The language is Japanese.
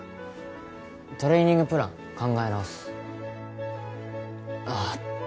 トレーニングプラン考え直すあっ